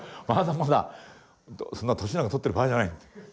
まだまだそんな年なんかとってる場合じゃない。